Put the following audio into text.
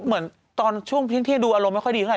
เหมือนตอนช่วงเที่ยงดูอารมณ์ไม่ค่อยดีเท่าไ